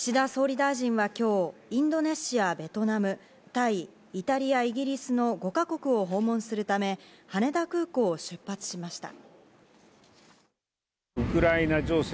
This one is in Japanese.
岸田総理大臣は今日、インドネシア、ベトナム、タイ、イタリア、イギリスの５か国を訪問するため、羽田空港を出発しました。